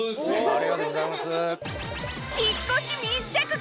ありがとうございます。